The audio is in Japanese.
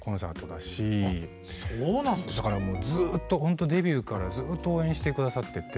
だからもうずっとほんとデビューからずっと応援して下さってて。